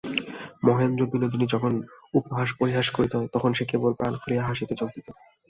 মহেন্দ্র-বিনোদিনী যখন উপহাস-পরিহাস করিত, তখন সে কেবল প্রাণ খুলিয়া হাসিতে যোগ দিত।